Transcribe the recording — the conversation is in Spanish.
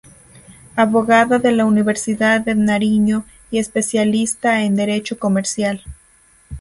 Abogada de la Universidad de Nariño y especialista en Derecho Comercial.